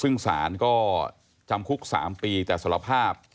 ซึ่งศาลก็จำคุก๓ปีแต่สารภาพ